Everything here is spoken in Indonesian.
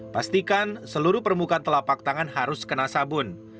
pastikan seluruh permukaan telapak tangan harus kena sabun